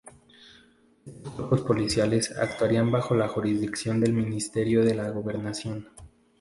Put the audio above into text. Estos cuerpos policiales actuarían bajo la jurisdicción del Ministerio de la Gobernación.